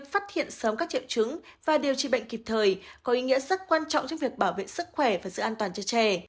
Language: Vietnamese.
phát hiện sớm các triệu chứng và điều trị bệnh kịp thời có ý nghĩa rất quan trọng trong việc bảo vệ sức khỏe và sự an toàn cho trẻ